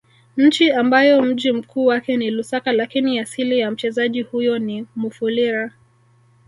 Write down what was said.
Nchi ambayo mji mkuu wake ni Lusaka lakini asili ya mchezaji huyo ni Mufulira